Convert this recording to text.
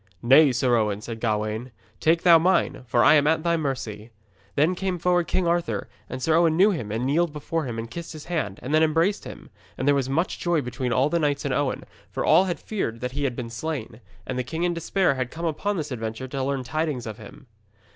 'Nay, Sir Owen,' said Gawaine, 'take thou mine, for I am at thy mercy.' Then came forward King Arthur, and Sir Owen knew him and kneeled before him and kissed his hand, and then embraced him. And there was much joy between all the knights and Owen, for all had feared that he had been slain, and the king in despair had come upon this adventure to learn tidings of him.